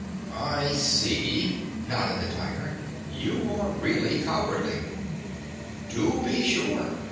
"I see," nodded the Tiger. "You are really cowardly." "To be sure.